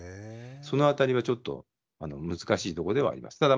そのあたりはちょっと難しいとこではあります。